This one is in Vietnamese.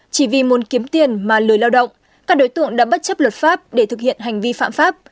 chỉ vì muốn kiếm tiền mà lười lao động các đối tượng đã bất chấp luật pháp để thực hiện hành vi phạm pháp